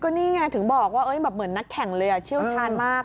นี่ไงถึงบอกว่าเหมือนนักแข่งเลยเชี่ยวชาญมาก